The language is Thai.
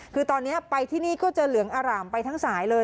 คือตอนนี้ไปที่นี่ก็จะเหลืองอร่ามไปทั้งสายเลย